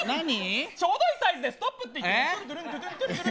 ちょうどいいサイズでストップって言ってね。